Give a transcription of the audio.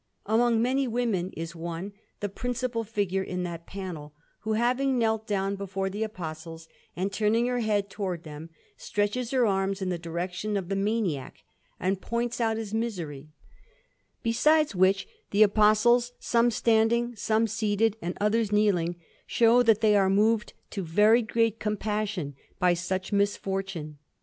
Among many women is one, the principal figure in that panel, who, having knelt down before the Apostles, and turning her head towards them, stretches her arms in the direction of the maniac and points out his misery; besides which the Apostles, some standing, some seated, and others kneeling, show that they are moved to very great compassion by such misfortune.